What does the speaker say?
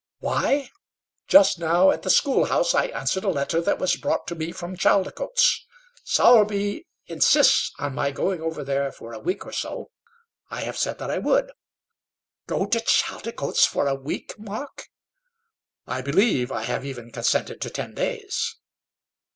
"Why? Just now, at the school house, I answered a letter that was brought to me from Chaldicotes. Sowerby insists on my going over there for a week or so; and I have said that I would." "Go to Chaldicotes for a week, Mark?" "I believe I have even consented to ten days."